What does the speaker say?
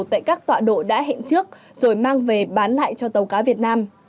tại các tọa độ đã hẹn trước rồi mang về bán lại cho tàu cá việt nam